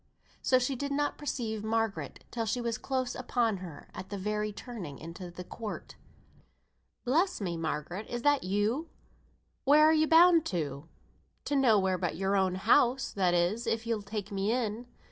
So she did not perceive Margaret till, she was close upon her at the very turning into the court. "Bless me, Margaret! is that you? Where are you bound to?" "To nowhere but your own house (that is, if you'll take me in).